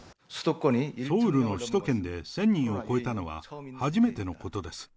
ソウルの首都圏で１０００人を超えたのは初めてのことです。